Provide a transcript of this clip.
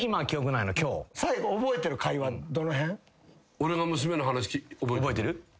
俺の娘の話覚えてる？